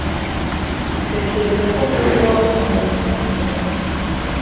Utekereza ko ninde waba umuntu mwiza kumurimo?